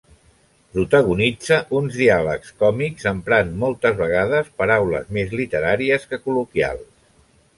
Protagonitza uns diàlegs còmics, emprant moltes vegades paraules més literàries que col·loquials.